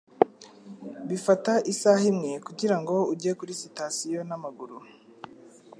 Bifata isaha imwe kugirango ujye kuri sitasiyo n'amaguru.